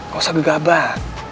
gak usah gegabah